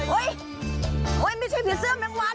โอ๊ยโอ๊ยไม่ใช่ผิดเสื้อแม่งวัน